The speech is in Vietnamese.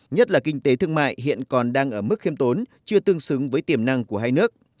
nhất là kinh tế thương mại hiện còn đang ở mức khiêm tốn chưa tương xứng với tiềm năng của hai nước